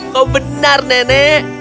kau benar nenek